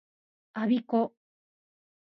我孫子